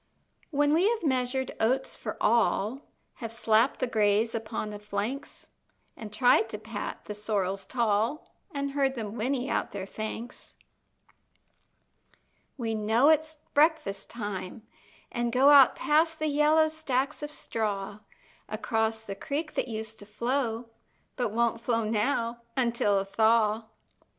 When we have measured oats for all, Have slapped the grays upon the flanks, An' tried to pat the sorrels tall, An' heard them whinny out their thanks, We know it's breakfast time, and go Out past the yellow stacks of straw, Across the creek that used to flow, But won't flow now until a thaw.